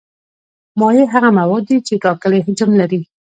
مایع هغه مواد دي چې ټاکلی حجم لري.